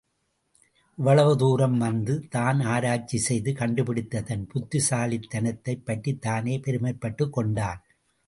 இவ்வளவு தூரம் வந்து தான் ஆராய்ச்சி செய்து கண்டுபிடித்த தன் புத்திசாலித்தனத்தைப் பற்றித் தானே பெருமைப்பட்டுக் கொண்டான்.